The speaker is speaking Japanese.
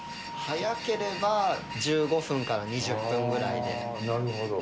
早ければ１５分から２０分ぐなるほど。